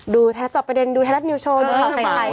ดูจอบประเด็นดูไทยรัฐนิวโชว์ดูภาพไตรกาย